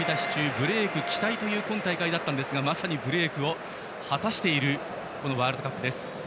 ブレーク期待という今大会でしたがまさにブレークを果たしているワールドカップ。